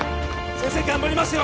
先生頑張りますよ！